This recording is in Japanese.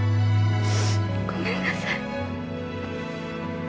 ごめんなさい。